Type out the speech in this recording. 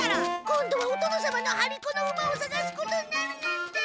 今度はお殿様の張り子の馬をさがすことになるなんて！